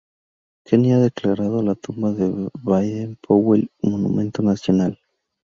Kenia ha declarado la tumba de Baden-Powell monumento nacional.